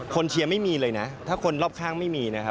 เชียร์ไม่มีเลยนะถ้าคนรอบข้างไม่มีนะครับ